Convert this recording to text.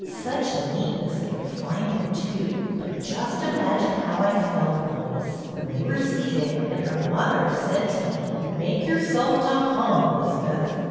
Such neatness and refinement, too ! But just imagine how I felt, Lois, when we were seated, and her mother said to me, ' Make yourself to hum, 'Lizbeth.